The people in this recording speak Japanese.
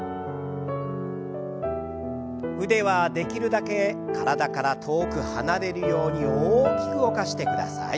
腕はできるだけ体から遠く離れるように大きく動かしてください。